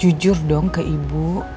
jujur dong ke ibu